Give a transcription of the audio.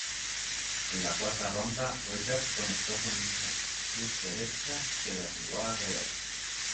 En la cuarta ronda, Wilder conectó con una cruz derecha que derribó a Arreola.